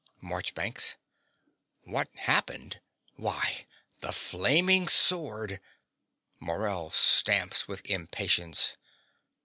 MARCHBANKS. What happened! Why, the flaming sword (Morell stamps with impatience.)